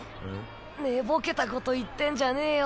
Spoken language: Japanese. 寝ぼけたこと言ってんじゃねぇよ。